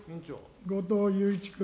後藤祐一君。